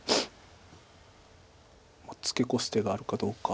ツケコす手があるかどうか。